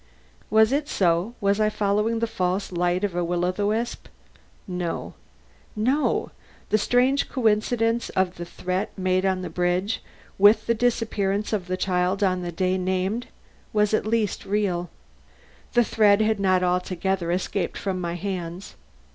Was it so? Was I following the false light of a will o' the wisp? No, no; the strange coincidence of the threat made on the bridge with the disappearance of the child on the day named, was at least real. The thread had not altogether escaped from my hands.